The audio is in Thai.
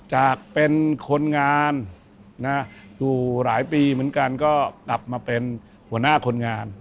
จากเป็นคนงานอยู่หลายปีเหมือนกันก็กลับมาเป็นหัวหน้าคนงาน